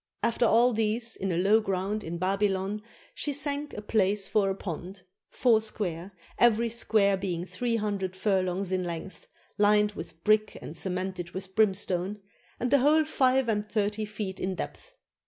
After all these in a low ground in Babylon she sank a place for a pond, four square, every square being three hundred furlongs in length, fined with brick and ce mented with brimstone, and the whole five and thirty feet in depth.